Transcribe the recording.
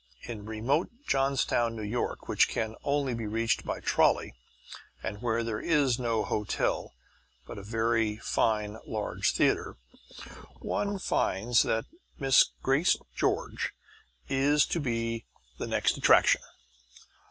In remote Johnstown, N. Y., which can only be reached by trolley and where there is no hotel (but a very fine large theatre) one finds that Miss Grace George is to be the next attraction.